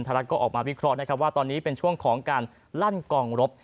รัฐก็ออกมาวิเคราะห์นะครับว่าตอนนี้เป็นช่วงของการลั่นกองรบ